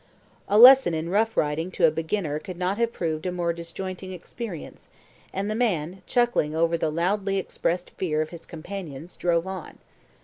A lesson in rough riding to a beginner could not have proved a more disjointing experience, and the man, chuckling over the loudly expressed fear of his companions, drove on.